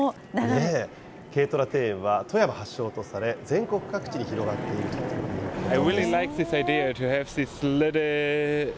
軽トラ庭園は、富山発祥とされ、全国各地に広がっているということです。